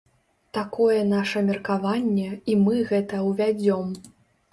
Такое наша меркаванне, і мы гэта ўвядзём.